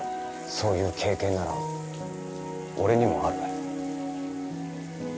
そういう経験なら俺にもある。